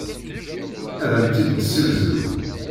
Ad am-tt-id-nessegzu.